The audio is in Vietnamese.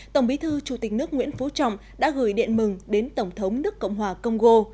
tổng bí thư chủ tịch nước nguyễn phú trọng đã gửi điện mừng đến tổng thống nước cộng hòa công gô